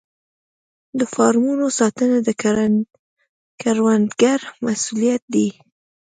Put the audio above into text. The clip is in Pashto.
د فارمونو ساتنه د کروندګر مسوولیت دی.